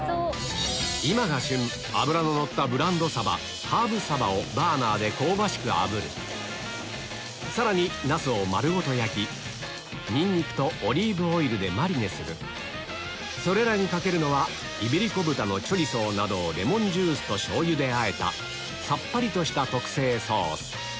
今が旬脂ののったバーナーで香ばしくあぶるさらにナスを丸ごと焼きマリネするそれらにかけるのはイベリコ豚のチョリソーなどをレモンジュースと醤油であえたさっぱりとした特製ソース